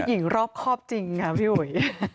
ผู้หญิงรอบครอบจริงครับพี่หวย